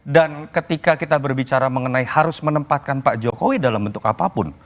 dan ketika kita berbicara mengenai harus menempatkan pak jokowi dalam bentuk apapun